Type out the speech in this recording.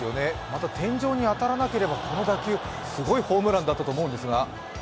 また天井に当たらなければこの打球、すごいホームランだったと思うんですが。